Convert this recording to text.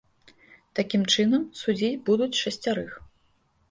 Такім чынам, судзіць будуць шасцярых.